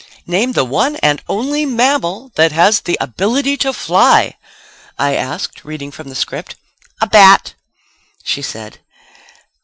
"Name the one and only mammal that has the ability to fly," I asked, reading from the script. "A bat," she said.